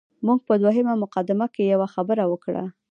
موږ په دویمه مقدمه کې یوه خبره وکړه.